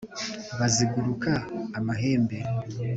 baziguruka amahembe